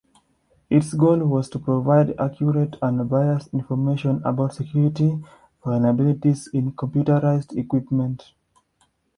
Its goal was to provide accurate, unbiased information about security vulnerabilities in computerized equipment.